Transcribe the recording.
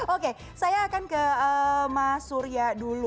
oke saya akan ke mas surya dulu